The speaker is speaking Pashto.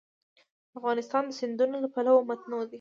افغانستان د سیندونه له پلوه متنوع دی.